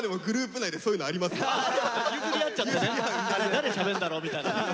誰しゃべんだろうみたいな。